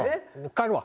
帰るわ。